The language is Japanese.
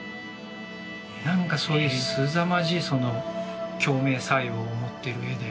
何かそういうすざまじいその共鳴作用を持ってる絵で。